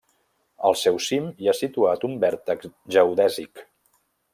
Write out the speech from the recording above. Al seu cim hi ha situat un vèrtex geodèsic.